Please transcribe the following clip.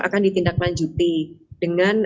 akan ditindaklanjuti dengan